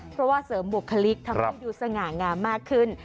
เพราะว่าเสริมบุคลิกทำให้ดูสง่างามมากขึ้น